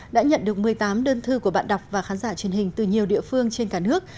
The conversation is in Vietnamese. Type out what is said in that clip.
đã nhận được một mươi tám đơn thư của bạn đọc và khán giả truyền hình từ nhiều địa phương trên cả nước